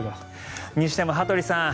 にしても羽鳥さん